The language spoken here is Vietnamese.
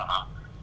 nó là khác